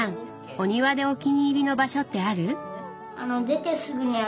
お庭でお気に入りの場所ってある？